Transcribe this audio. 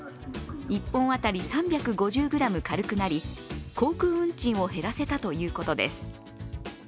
１本当たり３５０ｇ軽くなり、航空運賃を減らせたということです。